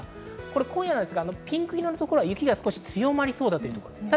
今夜ですが、ピンク色のところは雪が強まりそうだというところです。